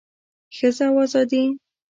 ښځه او ازادي